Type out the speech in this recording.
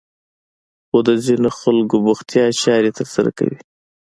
خو د ځينې خلکو بوختيا چارې ترسره کوي.